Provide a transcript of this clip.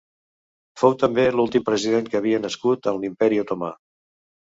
Fou també l'últim president que havia nascut en l'Imperi Otomà.